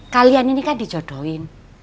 kalian ini kan dijodohin